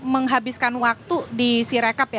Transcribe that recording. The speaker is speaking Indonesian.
menghabiskan waktu di sirekap ya